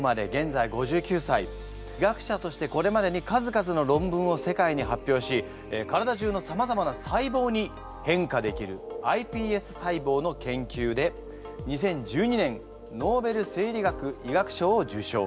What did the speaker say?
医学者としてこれまでに数々の論文を世界に発表し体じゅうのさまざまな細胞に変化できるｉＰＳ細胞の研究で２０１２年ノーベル生理学・医学賞を受賞。